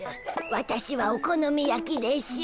わたしはお好み焼きでしゅ。